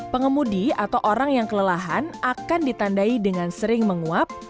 pengemudi atau orang yang kelelahan akan ditandai dengan sering menguap